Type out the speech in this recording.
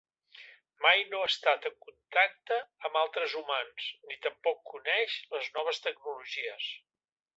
Mai no ha estat en contacte amb altres humans ni tampoc coneix les noves tecnologies.